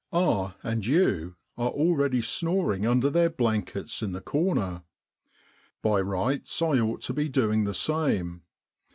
R and U are already snoring under their blankets in the corner. By rights I ought to be doing the same.